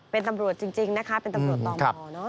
เป็นตำรวจจริงนะคะเป็นตำรวจต่อมอเนอะ